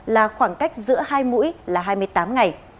là khoảng cách giữa hai mũi là hai mươi tám ngày